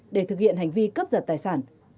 để thực hiện hành vi cướp giật tài sản